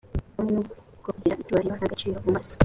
muntu bwo kugira icyubahiro n agaciro mu maso